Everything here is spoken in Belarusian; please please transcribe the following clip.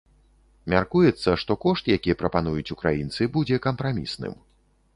Мяркуецца, што кошт, які прапануюць украінцы, будзе кампрамісным.